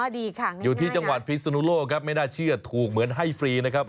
ดีค่ะอยู่ที่จังหวัดพิศนุโลกครับไม่น่าเชื่อถูกเหมือนให้ฟรีนะครับ